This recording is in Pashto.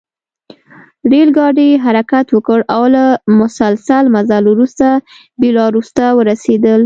ریل ګاډي حرکت وکړ او له مسلسل مزل وروسته بیلاروس ته ورسېدل